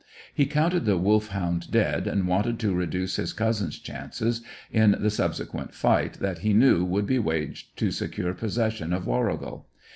He counted the Wolfhound dead, and wanted to reduce his cousin's chances in the subsequent fight that he knew would be waged to secure possession of Warrigal.